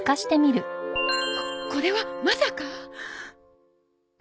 これはまさか。